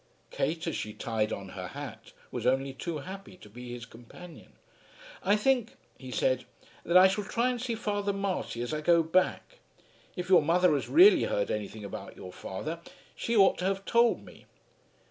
Kate, as she tied on her hat, was only too happy to be his companion. "I think," he said, "that I shall try and see Father Marty as I go back. If your mother has really heard anything about your father, she ought to have told me."